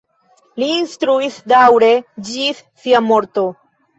Li instruis daŭre ĝis sia morto.